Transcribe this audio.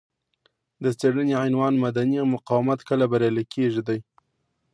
د څېړنې عنوان مدني مقاومت کله بریالی کیږي دی.